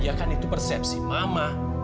ya kan itu persepsi mama